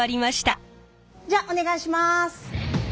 じゃあお願いします！